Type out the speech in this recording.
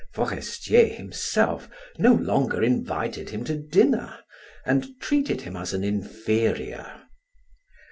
Forestier himself no longer invited him to dinner, and treated him as an inferior.